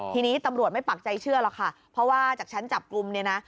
ทีนี้ตำรวจไม่ปักใจเชื่อหรอกค่ะเพราะว่าจากชั้นจับกลุ่มเนี่ยนะ